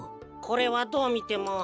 これはどうみても。